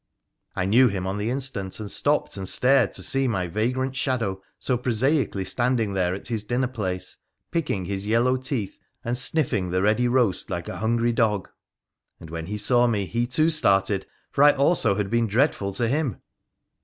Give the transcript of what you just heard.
I knew him on the instant, and stopped and stared to see my vagrant shadow so prosaically standing there at his dinner place, picking his yellow teeth and sniffing the ready roast like a hungry dog. And when he saw me he too started, for I also had been dreadful to him.